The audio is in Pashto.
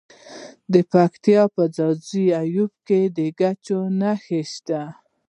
د پکتیا په ځاځي اریوب کې د ګچ نښې شته.